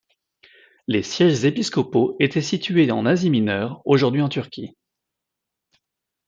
Les sièges épiscopaux étaient situés en Asie mineure, aujourd'hui en Turquie.